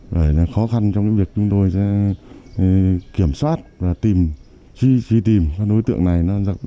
và có khó khăn trong việc chúng tôi kiểm soát và truy tìm các đối tượng này